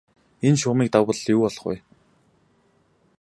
Энэ шугамыг давбал юу болох бол?